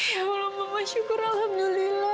ya allah mama syukur alhamdulillah